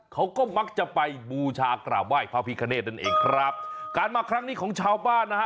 เขาก็มักจะไปบูชากราบไหว้พระพิคเนธนั่นเองครับการมาครั้งนี้ของชาวบ้านนะฮะ